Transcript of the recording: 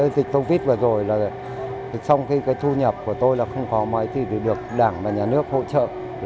dịch covid vừa rồi là trong khi cái thu nhập của tôi là không có mấy thì được đảng và nhà nước hỗ trợ